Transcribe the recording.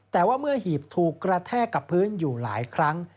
แต่ว่าเมื่อหีบถูกกระแทกกับพื้นอยู่หลายครั้ง